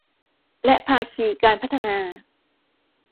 และภาคีการพัฒนา